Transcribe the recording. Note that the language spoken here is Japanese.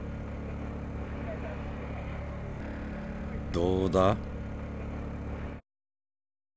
どうだ？